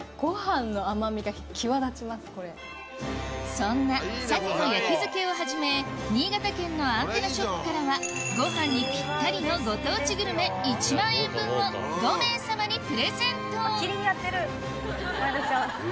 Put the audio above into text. そんな鮭の焼漬をはじめ新潟県のアンテナショップからはご飯にぴったりのご当地グルメ１万円分を５名様にプレゼントキリンやってる前田ちゃん。